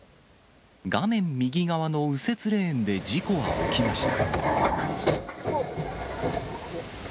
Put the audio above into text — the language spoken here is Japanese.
画面右側の右折レーンで事故は起きました。